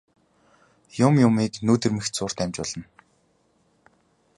Юм юмыг нүд ирмэх зуурт амжуулна.